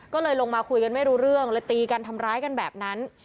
ก็เลยลงมาคุยกันไม่รู้เรื่องเลยตีกันทำร้ายกันแบบนั้น